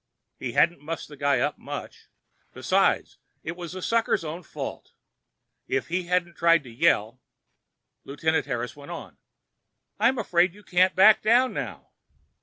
He hadn't mussed the guy up much; besides, it was the sucker's own fault. If he hadn't tried to yell— Lieutenant Harris went on: "I'm afraid you can't back down now."